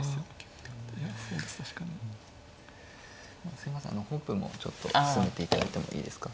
すいません本譜もちょっと進めていただいてもいいですか。